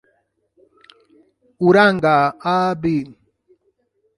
Uranga, Av.